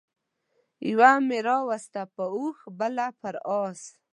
يوه مې راوسته پر اوښ بله پر اس